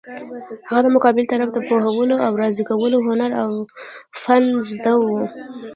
هغه د مقابل طرف د پوهولو او راضي کولو هنر او فن زده وو.